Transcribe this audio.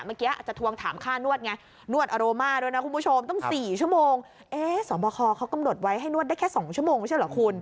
อาจจะทวงถามค่านวดไงนวดอโรมาด้วยนะคุณผู้ชมต้อง๔ชั่วโมงเอ๊ะสอบคอเขากำหนดไว้ให้นวดได้แค่๒ชั่วโมงไม่ใช่เหรอคุณ